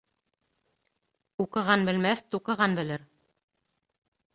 Уҡыған белмәҫ, туҡыған белер.